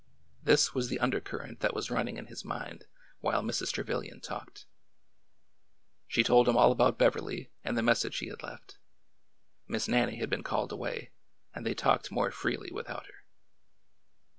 This was the undercurrent that was running in his mind while Mrs. Trevilian talked. She told him all about Beverly and the message he had /eft. Miss Nannie had been called away, and they talked more freely without her.